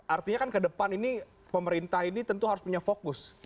artinya kan ke depan ini pemerintah ini tentu harus punya fokus